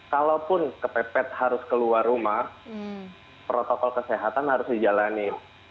kalaupun kepepet harus keluar rumah protokol kesehatan harus dijalanin